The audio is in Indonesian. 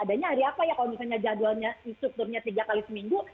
adanya hari apa ya kalau misalnya jadwalnya strukturnya tiga kali seminggu